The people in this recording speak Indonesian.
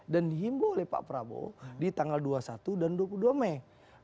dihimbu oleh pak prabowo di tanggal dua puluh satu dan dua puluh dua mei